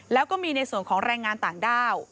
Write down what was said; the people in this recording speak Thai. แล้วก็มีในส่วนของแรงงานต่างด้าว